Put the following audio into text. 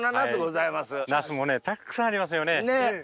ナスもたくさんありますよね。